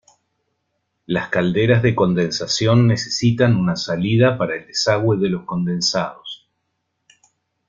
Las calderas de condensación necesitan una salida para el desagüe de los condensados.